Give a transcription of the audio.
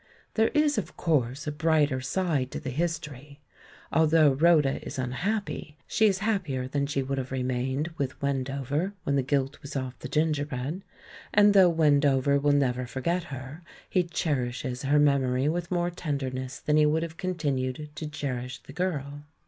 There is, of course, a brighter side to the history — al though Rhoda is unhappy, she is happier than she would have remained with Wendover when the gilt was off the gingerbread; and though Wendover will never forget her, he cherishes her memory with more tenderness than he would have continued to cherish the girl.